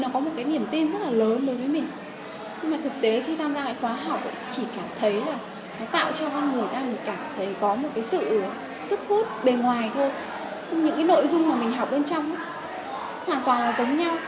cái sự sức hút bề ngoài thôi những nội dung mà mình học bên trong hoàn toàn là giống nhau